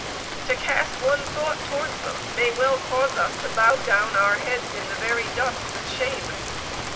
To cast one thought towards them, may well cause us to bow down our heads in the very dust with shame.